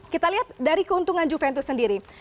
kita lihat dari keuntungan juventus sendiri